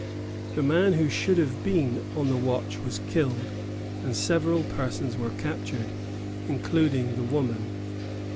The man who should have been on the watch was killed, and several persons were captured, including the woman.